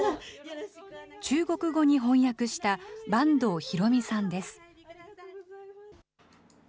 中国語に翻訳した、坂東弘美さんです。